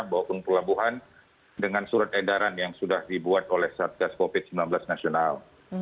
maupun pelabuhan dengan surat edaran yang sudah dibuat oleh satgas covid sembilan belas nasional